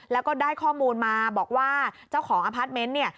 แล้วก็ได้ข้อมูลมาบอกว่าเจ้าของอพาร์ทเมนต์เนี่ย